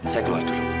saya keluar dulu